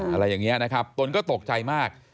อะไรอย่างนี้นะครับตนก็ตกใจมาก